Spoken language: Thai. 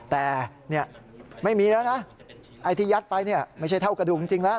แต่ไม่มีแล้วนะไอ้ที่ยัดไปเนี่ยไม่ใช่เท่ากระดูกจริงแล้ว